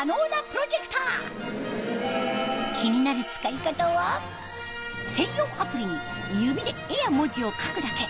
キニナル使い方は専用アプリに指で絵や文字を書くだけ。